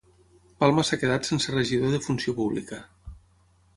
Palma s'ha quedat sense regidor de Funció Pública